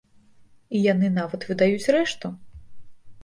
І яны нават выдаюць рэшту!